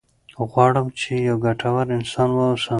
غواړم چې یو ګټور انسان واوسم.